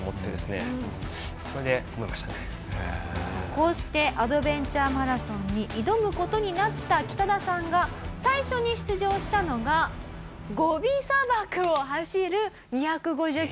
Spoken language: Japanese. こうしてアドベンチャーマラソンに挑む事になったキタダさんが最初に出場したのがゴビ砂漠を走る２５０キロのレース。